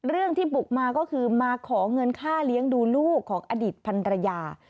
ที่บุกมาก็คือมาขอเงินค่าเลี้ยงดูลูกของอดีตพันรยา